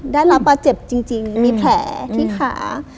ได้รับบาดเจ็บจริงมีแผลที่ขา